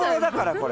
これ。